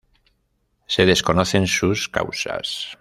Se desconocen sus causas.